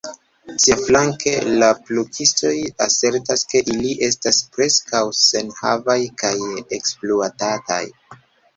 Siaflanke, la plukistoj asertas, ke ili estas preskaŭ senhavaj kaj ekspluatataj.